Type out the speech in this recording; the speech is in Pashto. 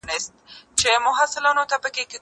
زه کولای سم وخت ونیسم!؟